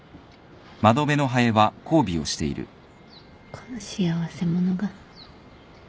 この幸せ者が。